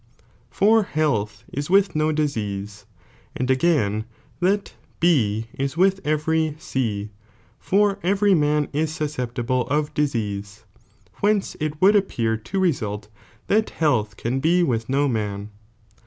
«">«• for health is with do disease, and again that B is with every C, for every mnn is susceptible of disease, whence it would appear toresQlt thnthealtli i^anbe withDoman.